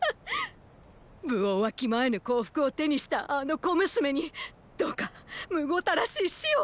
分をわきまえぬ幸福を手にしたあの小娘にどうかむごたらしい死を！